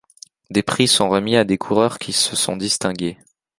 Des prix sont remis à des coureurs qui se sont distingués.